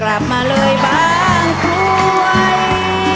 รับมาเลยบ๊างคล้วย